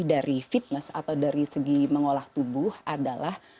dari fitness atau dari segi mengolah tubuh adalah